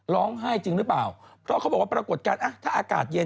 ร้องไห้จริงหรือเปล่าเพราะเขาบอกว่าปรากฏการณ์ถ้าอากาศเย็น